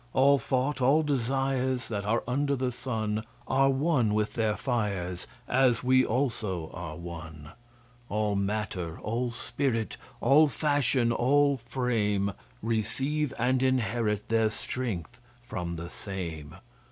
All thought, all desires, That are under the sun, Are one with their fires, As we also are one; All matter, all spirit, All fashion, all frame, Receive and inherit Their strength from the same.